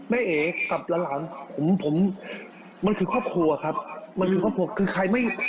เอ๋กับหลานผมผมมันคือครอบครัวครับมันคือครอบครัวคือใครไม่